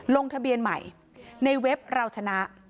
ลงทะเบียนใหม่ในเว็บเราชนะ